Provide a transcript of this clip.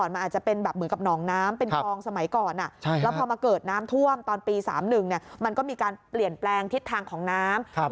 เมื่อก่อนมันอาจจะเป็นเหมือนกับนองน้ำ